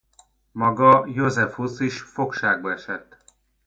Maga Josephus is fogságba esett.